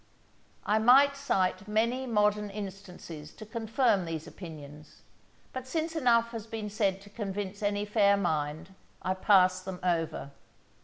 I might cite many modern instances to confirm these opinions, but since enough has been said to convince any fair mind, I pass them over.